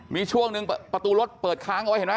มีช่วงหนึ่งประตูรถเปิดค้างเอาไว้เห็นไหม